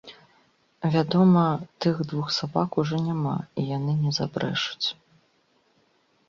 Вядома, тых двух сабак ужо няма і яны не забрэшуць.